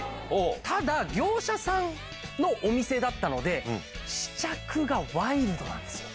ただ業者さんのお店だったので試着がワイルドなんです。